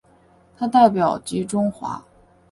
总代表吉钟华。